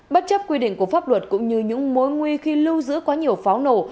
bất chấp quy định của pháp luật cũng như những mối nguy khi lưu giữ quá nhiều pháo nổ